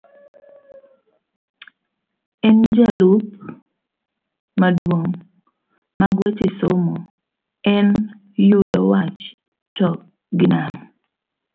en jalup maduong' mag weche, somo en yudo wach to gi nam